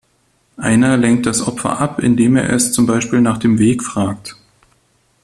Einer lenkt das Opfer ab, indem er es zum Beispiel nach dem Weg fragt.